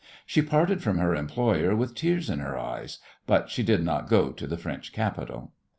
She parted from her employer with tears in her eyes, but she did not go to the French capital.